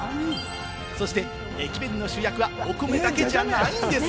そして駅弁の主役はお米だけじゃないんです。